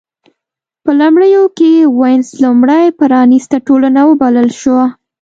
په لومړیو کې وینز لومړۍ پرانېسته ټولنه وبلل شوه.